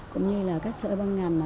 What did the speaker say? cũng như là các sở băng ngành